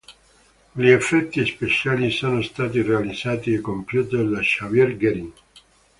Gli effetti speciali sono stati realizzati a computer da Xavier Guerin.